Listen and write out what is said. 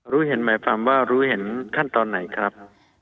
รู้เห็นหมายความว่ารู้เห็นขั้นตอนไหนครับ